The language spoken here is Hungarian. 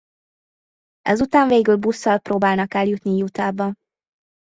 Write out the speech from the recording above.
Ez után végül busszal próbálnak eljutni Utahba.